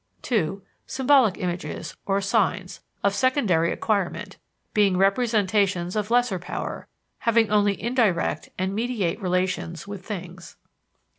(2) Symbolic images, or signs, of secondary acquirement, being representations of lesser power, having only indirect and mediate relations with things.